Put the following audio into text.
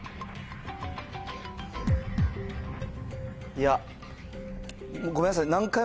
いやごめんなさい何回も。